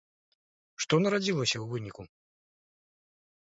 Што нарадзілася ў выніку?